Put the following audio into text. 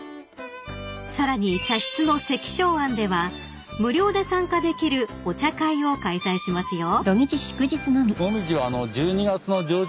［さらに茶室の赤松庵では無料で参加できるお茶会を開催しますよ］